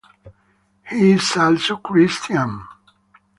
He is also Christian.